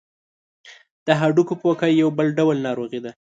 د هډوکو پوکی یو بل ډول ناروغي ده.